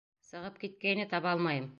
Сығып киткәйне, таба алмайым.